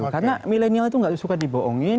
karena milenial itu enggak suka dibohongin